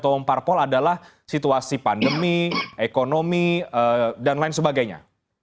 apakah yang terdapat adalah situasi pandemi ekonomi dan lain sebagainya